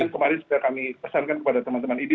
kemarin sudah kami pesankan kepada teman teman idi